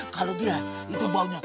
kalau dia itu baunya